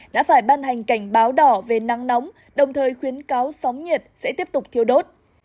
đã phải ban hành cảnh báo đỏ về nắng nóng đồng thời khuyến cáo sóng nhiệt sẽ tiếp tục thiêu đốt